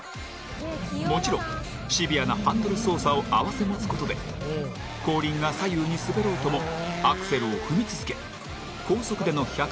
もちろんシビアなハンドル操作を併せ持つことで後輪が左右に滑ろうともアクセルを踏み続け高速での１８０度